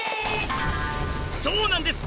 そうなんです！